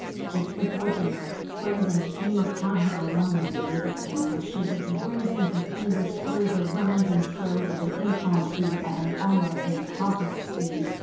Just before dinner Brandon came upon her alone in the music room where she was racing her fingers through the runs and trills of an impromptu at an almost impossible speed.